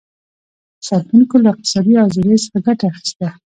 ساتونکو له اقتصادي ازادیو څخه ګټه اخیسته.